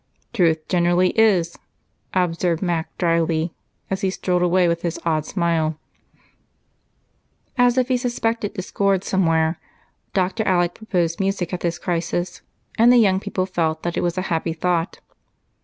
"Truth generally is," observed Mac dryly as he strolled away with his odd smile. As if he suspected discord somewhere, Dr. Alec proposed music at this crisis, and the young people felt that it was a happy thought.